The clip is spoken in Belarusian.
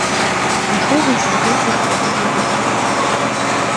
Няхай вас зводзяць наадварот.